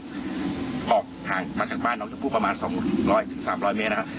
ออกทางภาคบ้านน้องชมพู่ประมาณสองร้อยถึงสามร้อยเมตรนะครับ